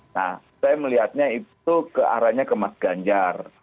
nah saya melihatnya itu ke arahnya ke mas ganjar